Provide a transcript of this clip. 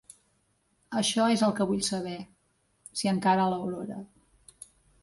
Això és el que vull saber —s'hi encara l'Aurora—.